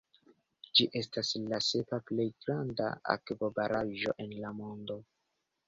Ĝi estas la sepa plej granda akvobaraĵo en la mondo.